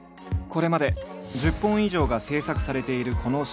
これまで１０本以上が制作されているこのシリーズ。